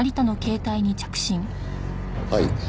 はい。